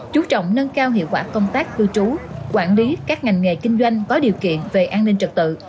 chú trọng nâng cao hiệu quả công tác cư trú quản lý các ngành nghề kinh doanh có điều kiện về an ninh trật tự